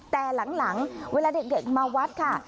แต่หลังเวลาเด็กมาวัดค่ะ